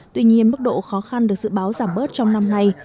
tuy nhiên mức độ khó khăn được dự báo giảm bớt trong năm nay